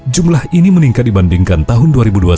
jumlah ini meningkat dibandingkan tahun dua ribu dua puluh satu